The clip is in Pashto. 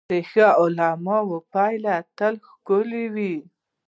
د ښو عملونو پایله تل ښکلې وي.